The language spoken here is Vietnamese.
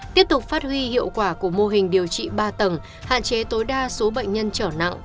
tiếp tục phát huy hiệu quả của mô hình điều trị ba tầng hạn chế tối đa số bệnh nhân trở nặng